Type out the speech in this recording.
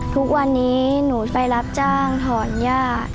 ทุกวันนี้หนูไปรับจ้างถอนหญ้า